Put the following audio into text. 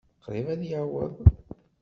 Qṛib ad yaweḍ.